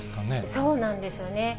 そうなんですよね。